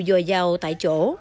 dòi dào tại chỗ